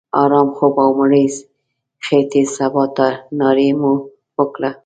آرام خوب او مړې خېټې سباناري مو وکړه.